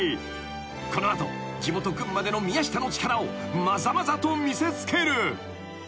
［この後地元群馬での宮下の力をまざまざと見せつける］